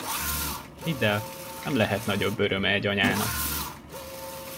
Hidd el, nem lehet nagyobb öröme egy anyának!